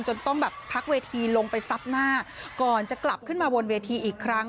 ต้องแบบพักเวทีลงไปซับหน้าก่อนจะกลับขึ้นมาบนเวทีอีกครั้ง